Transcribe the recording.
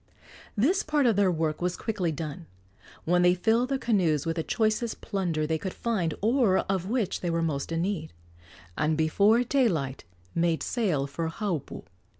This part of their work was quickly done, when they filled their canoes with the choicest plunder they could find or of which they were most in need, and before daylight made sail for Haupu.